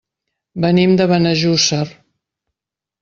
Venim de Benejússer.